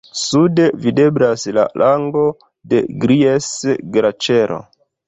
Sude videblas la lango de Gries-Glaĉero.